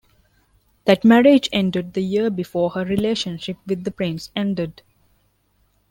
That marriage ended the year before her relationship with the Prince ended.